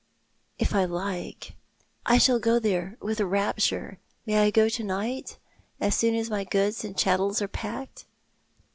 " If I like— I shall go there with rapture. May I go to night, as soon as my goods and chattels are packed?